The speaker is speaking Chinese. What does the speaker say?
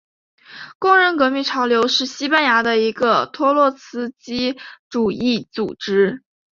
工人革命潮流是西班牙的一个托洛茨基主义组织。